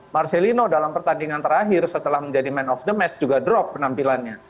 marcelino dalam pertandingan terakhir setelah menjadi man of the mass juga drop penampilannya